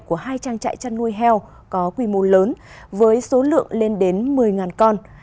của hai trang trại chăn nuôi heo có quy mô lớn với số lượng lên đến một mươi con